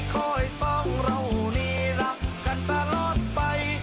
ขอให้สองเรานี้รับกันตลอดไป